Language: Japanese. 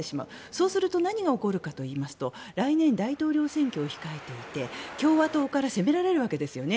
そうすると何が起こるかと言いますと来年、大統領選挙を控えていて共和党から責められるわけですね。